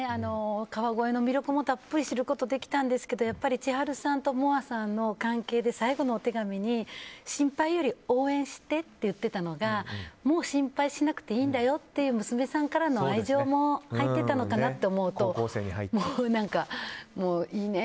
川越の魅力もたっぷり知ることができたんですけど千春さんともあさんの関係で最後のお手紙に心配より応援してって言っていたのがもう心配しなくていいんだよっていう娘さんからの愛情も入ってたのかなって思うともういいね。